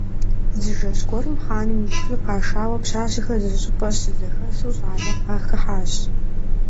Зы жэщ гуэрым хъаным ипхъури къашауэ пщащэхэр зыщӀыпӀэ щызэхэсу щӀалэр къахыхьащ.